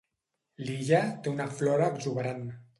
L'illa té una flora exuberant.